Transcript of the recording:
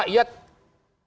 bukan berdebatan di tengah rumah